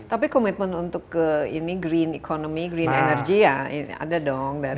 tapi komitmen untuk ke ini green economy green energy ya ada dong